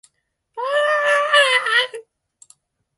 あー。